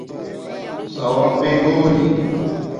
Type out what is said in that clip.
ثݸاپئ گھولی